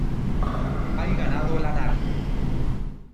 Hay ganado lanar.